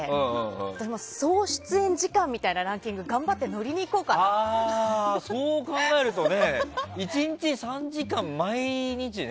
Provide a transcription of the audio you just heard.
私も総出演時間みたいなランキングそう考えると１日３時間毎日ね。